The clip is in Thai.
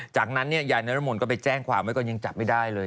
จากนั้นเนื้อรมนก็ไปแจ้งความว่ายังจับไม่ได้เลย